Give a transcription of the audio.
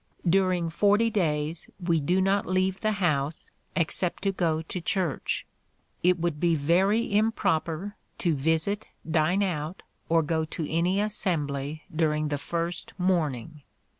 During forty days we do not leave the house, except to go to church; it would be very improper to visit, dine out, or go to any assembly during the first mourning.